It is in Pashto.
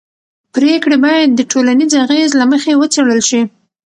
پرېکړې باید د ټولنیز اغېز له مخې وڅېړل شي